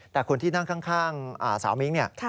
แต่คนที่นั่งข้างสาวมิ้งเนี่ย